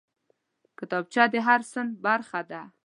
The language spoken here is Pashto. کتابچه د هر صنف برخه ده